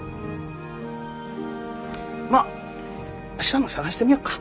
まあ明日も捜してみようか。